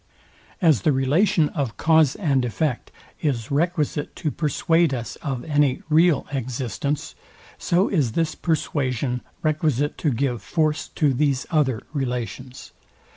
As the relation of cause and effect is requisite to persuade us of any real existence, so is this persuasion requisite to give force to these other relations.